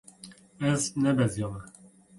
Ez nebeziyame.